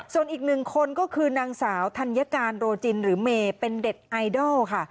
ส่วนอีกหนึ่งคนก็คือนางสาวธัญการโรจินหรือเมย์เป็นเน็ตไอดอลค่ะ